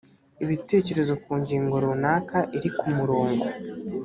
ibitekerezo ku ngingo runaka iri ku murongo